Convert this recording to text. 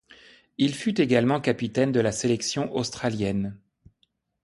Il fut également capitaine de la sélection australienne.